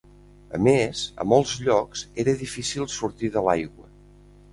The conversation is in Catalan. A més, a molts llocs era difícil sortir de l'aigua.